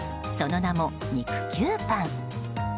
その名も肉球パン。